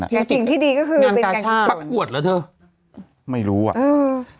แล้วสิ่งที่ดีก็คืองานกาชาประกวดเหรอเธอไม่รู้อ่ะเออ